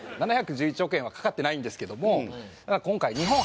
７１１億円はかかってないんですけども